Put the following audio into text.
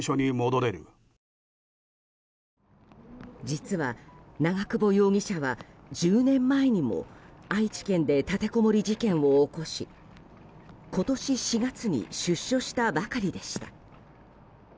実は長久保容疑者は１０年前にも愛知県で立てこもり事件を起こし今年４月に出所したばかりでした。